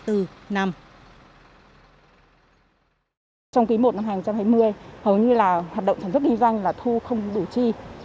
trong ký một năm hai nghìn hai mươi hầu như là hoạt động thành phức kinh doanh là thu không đủ chi